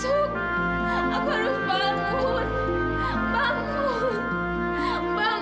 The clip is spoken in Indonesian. haruspartip escuchi bangun bangun